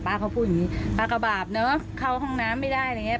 เขาพูดอย่างนี้ป้าก็บาปเนอะเข้าห้องน้ำไม่ได้อะไรอย่างเงี้